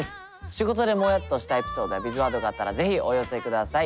仕事でモヤっとしたエピソードやビズワードがあったら是非お寄せください。